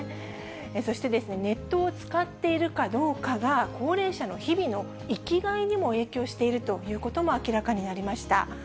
そして、ネットを使っているかどうかが高齢者の日々の生きがいにも影響しているということも明らかになりました。